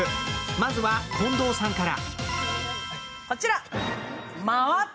まずは、近藤さんから。